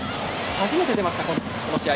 初めて、出ました、この試合。